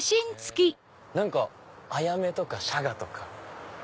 何かアヤメとかシャガとか。